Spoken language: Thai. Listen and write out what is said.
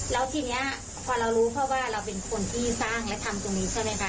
แล้วทีนี้พอเรารู้เพราะว่าเราเป็นคนที่สร้างและทำตรงนี้ใช่ไหมคะ